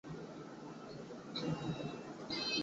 然蜀中亦为嘉州者有香而朵大。